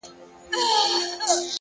د زغم ځواک د ستونزو فشار کموي!.